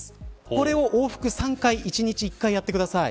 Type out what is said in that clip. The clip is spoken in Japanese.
これを往復３回１日１回やってください。